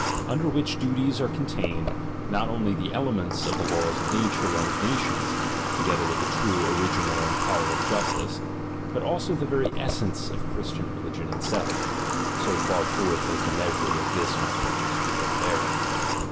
Under which duties are contained, not only the elements of the laws of nature and of nations, together with the true original and power of justice ; but also the very essence of Christian religion itself, so far forth as the measure of this my purpose could well bear it.